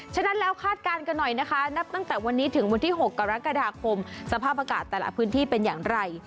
ฉะนั้นแล้วคาดการณ์กันหน่อยนะคะนับตั้งแต่วันนี้ถึงวันที่๖กรกฎาคมสภาพอากาศแต่ละพื้นที่เป็นอย่างไร